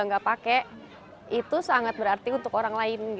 yang dia tidak pakai itu sangat berarti untuk orang lain